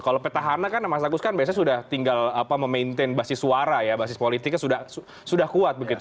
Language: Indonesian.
kalau petahana kan mas agus kan biasanya sudah tinggal memaintain basis suara ya basis politiknya sudah kuat begitu